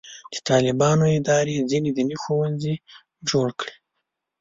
د طالبانو ادارې ځینې دیني ښوونځي جوړ کړي.